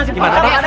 gimana pak kades